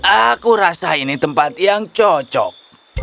aku rasa ini tempat yang cocok